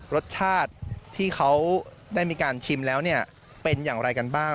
รสชาติที่เขาได้มีการชิมแล้วเนี่ยเป็นอย่างไรกันบ้าง